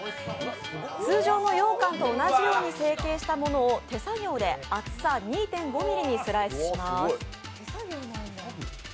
通常のようかんと同じように整形したものを手作業で厚さ２．５ｍｍにスライスします。